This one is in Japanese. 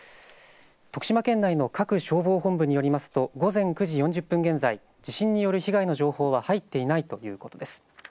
徳島県内の各消防本部によりますと午前９時４０分現在、地震による被害の情報は入っていないということです。